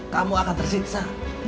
kamu akan tersiksa